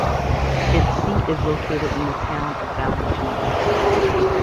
Its seat is located in the town of Vallentuna.